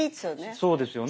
そうですよね。